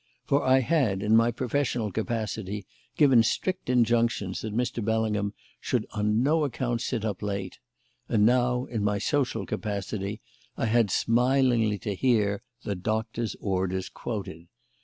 For I had, in my professional capacity, given strict injunctions that Mr. Bellingham should on no account sit up late; and now, in my social capacity, I had smilingly to hear "the doctor's orders" quoted.